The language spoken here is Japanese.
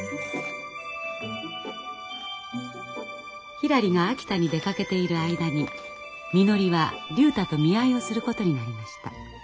ひらりが秋田に出かけている間にみのりは竜太と見合いをすることになりました。